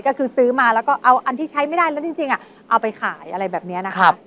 ก็คือซื้อมาแล้วก็เอาอันที่ใช้ไม่ได้แล้วจริงเอาไปขายอะไรแบบนี้นะคะ